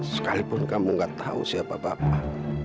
sekalipun kamu gak tahu siapa bapak